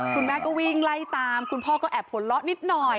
คุณแม่ก็วิ่งไล่ตามคุณพ่อก็แอบหัวเราะนิดหน่อย